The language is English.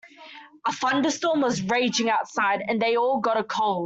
A thunderstorm was raging outside and they all got a cold.